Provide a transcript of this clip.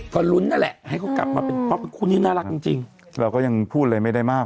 ก็ลุ้นนั่นแหละให้เขากลับมาเป็นน่ารักจริงจริงเราก็ยังพูดเลยไม่ได้มาก